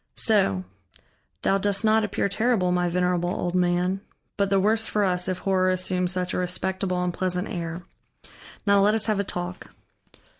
"So. Thou dost not appear terrible, my venerable old man. But the worse for us, if horror assumes such a respectable and pleasant air. Now let us have a talk."